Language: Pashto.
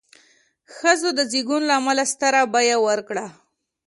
ښځو د زېږون له امله ستره بیه ورکړه.